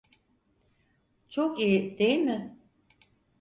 Çok iyi, değil mi?